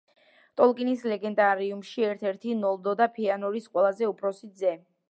ტოლკინის ლეგენდარიუმში ერთ-ერთი ნოლდო და ფეანორის ყველაზე უფროსი ძე.